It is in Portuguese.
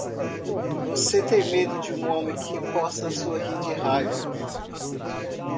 Você tem medo de um homem que possa sorrir de raiva!